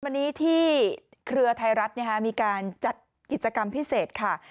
วันนี้ที่เครือไทยรัฐมีการจัดกิจกรรมพิเศษค่ะ